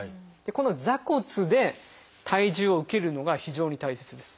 この座骨で体重を受けるのが非常に大切です。